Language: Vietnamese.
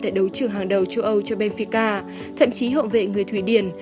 trong đấu trường hàng đầu châu âu cho benfica thậm chí hậu vệ người thụy điển